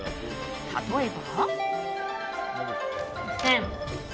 例えば。